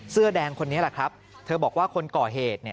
เสื้อแดงคนนี้แหละครับเธอบอกว่าคนก่อเหตุเนี่ย